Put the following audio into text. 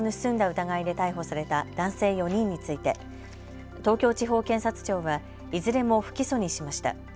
疑いで逮捕された男性４人について東京地方検察庁はいずれも不起訴にしました。